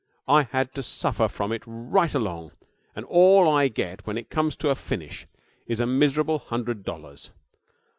I had to suffer from it right along, and all I get, when it comes to a finish, is a miserable hundred dollars.